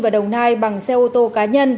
và đồng nai bằng xe ô tô cá nhân